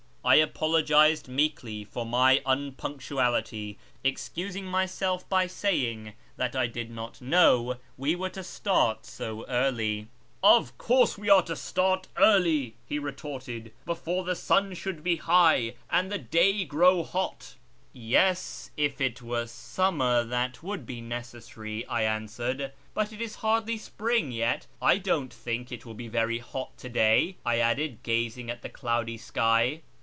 I apologised meekly for my unpunctuality, excusing myself by saying that I did not know we were to start so early. " Of course we were to start early," he retorted, " before the sun should be high and the day grow hot." " Yes, if it were summer that would be necessary," I answered, " but it is hardly spring yet. I don't think it will be very hot to day," I added, gazing at the cloudy sky.